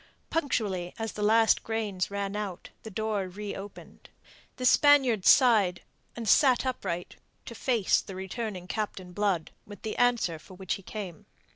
Punctually as the last grains ran out, the door reopened. The Spaniard sighed, and sat upright to face the returning Captain Blood with the answer for which he came.